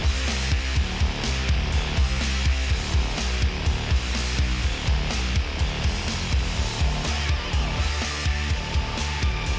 สวัสดีครับ